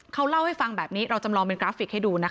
เขาเล่าให้ฟังแบบนี้เราจำลองเป็นกราฟิกให้ดูนะคะ